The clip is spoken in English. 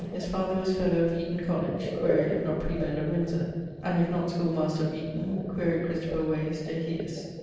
his father was fellow of Eaton College (quaere if not prebend of Windsor, and if not schoolmaster of Eaton? quaere Christopher Wase de hiis).